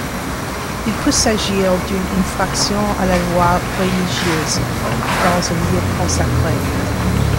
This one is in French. Il peut s'agir d’une infraction à la loi religieuse dans un lieu consacré.